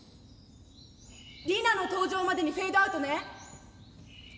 リナの登場までにフェードアウトね。